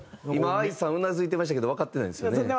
今ＡＩさんうなずいてましたけどわかってないんですよね？